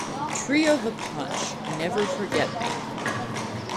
Trio The Punch - Never Forget Me...